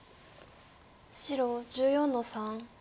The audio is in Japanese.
白１４の三ツケ。